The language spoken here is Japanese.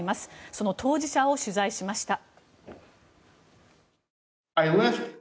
その当事者を取材しました。